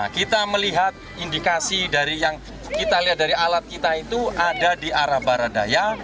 kita melihat indikasi dari yang kita lihat dari alat kita itu ada di arah barat daya